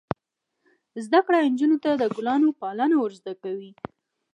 زده کړه نجونو ته د ګلانو پالنه ور زده کوي.